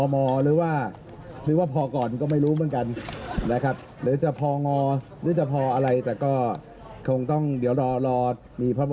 มันมีอยู่แค่๑๐คนก็ต้องพอนะครับคนเดียวนะครับ